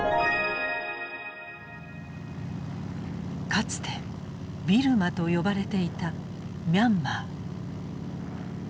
かつてビルマと呼ばれていたミャンマー。